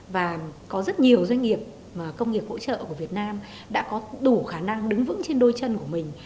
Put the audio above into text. và có rất nhiều doanh nghiệp công nghiệp hỗ trợ của việt nam đã có đủ khả năng đứng vững trên đôi chân của mình